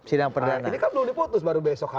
ini kan belum diputus baru besok hari